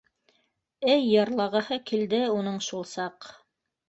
Эй йырлағыһы килде уның шул саҡ!